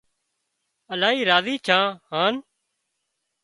لاهي راضي ڇان هانَ